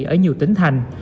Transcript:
ở nhiều tỉnh thành